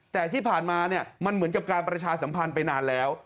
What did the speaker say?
แต่ที่ผ่านมามันเหมือนกับการประชาสัมพันธ์ไปนานแล้ว